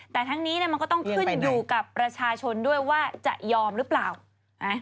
แต่ทั้งนี้เนี่ยมันก็ต้องขึ้นอยู่กับประชาชนด้วยว่าจะยอมหรือเปล่านะ